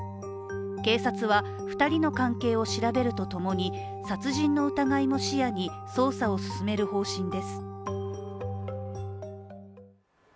警察は、２人の関係を調べるとともに殺人の疑いも視野に捜査を進める方針です。